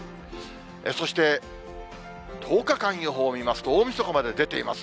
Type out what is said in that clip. そして、１０日間予報を見ますと、大みそかまで出ています。